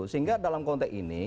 sehingga dalam konteks ini